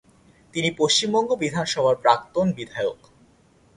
তিনি পশ্চিমবঙ্গ বিধানসভার প্রাক্তন বিধায়ক।